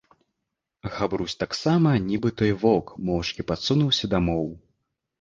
Габрусь таксама, нiбы той воўк, моўчкi пасунуўся дамоў.